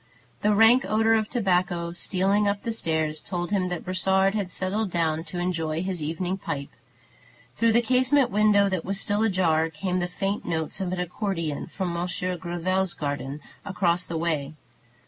The rank odor of tobacco, stealing up the stairs, told him that Brossard had settled down to enjoy his evening pipe. Through the casement window that was still ajar came the faint notes of an accordeon from Monsieur Gréville's garden, across the way.